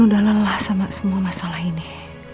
udah lelah sama semua masalah ini